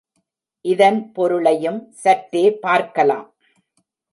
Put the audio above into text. இதன் பொருளையும் சற்றே பார்க்கலாம்.